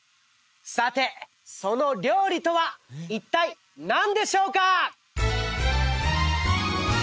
さてその料理とは一体何でしょうか？